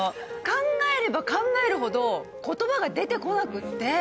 考えれば考えるほど言葉が出て来なくって。